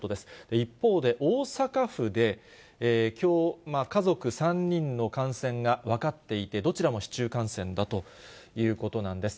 一方で大阪府で、きょう家族３人の感染が分かっていて、どちらも市中感染だということなんです。